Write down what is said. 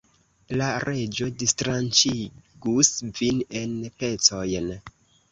La Reĝo distranĉigus vin en pecojn.